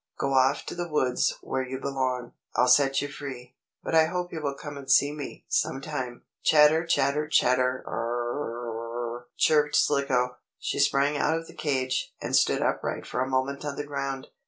"Go off to the woods where you belong. I'll set you free, but I hope you will come and see me, sometime." "Chatter chatter chatter r r r r r!" chirped Slicko. She sprang out of the cage, and stood upright for a moment on the ground.